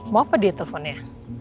mau apa dia telponnya